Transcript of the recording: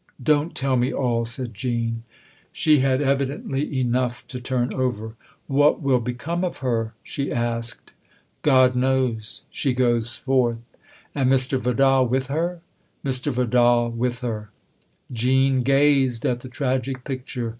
" Don't tell me all," said Jean. She had evidently enough to turn over. " What will become of her ?" she asked. " God knows. She goes forth." " And Mr. Vidal with her ?"" Mr. Vidal with her." Jean gazed at the tragic picture.